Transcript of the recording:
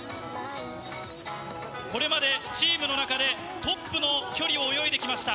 これまでチームの中でトップの距離を泳いできました。